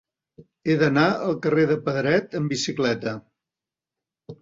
He d'anar al carrer de Pedret amb bicicleta.